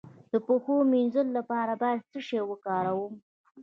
د پښو د مینځلو لپاره باید څه شی وکاروم؟